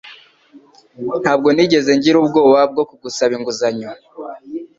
Ntabwo nigeze ngira ubwoba bwo kugusaba inguzanyo.